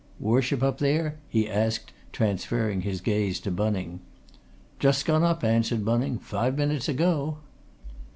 "Worship up there?" he asked, transferring his gaze to Bunning. "Just gone up," answered Bunning. "Five minutes ago."